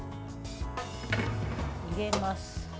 入れます。